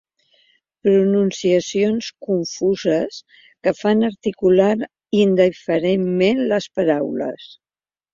Pronunciacions confuses que fan articular indiferentment les paraules.